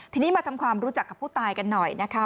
ทีนี้มาทำความรู้จักกับผู้ตายกันหน่อยนะคะ